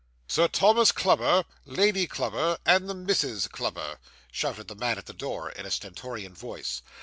'Sir Thomas Clubber, Lady Clubber, and the Misses Clubber!' shouted the man at the door in a stentorian voice.